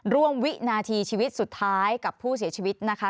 วินาทีชีวิตสุดท้ายกับผู้เสียชีวิตนะคะ